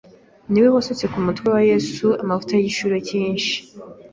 Ni we wasutse ku mutwe wa Yesu amavuta y'igiciro cyinshi,